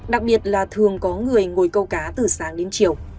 đặc biệt là thường có người ngồi câu cá từ sáng đến chiều